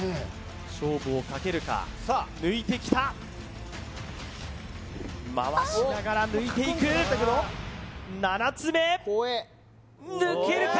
勝負をかけるか抜いてきた回しながら抜いていく７つ目抜けるか？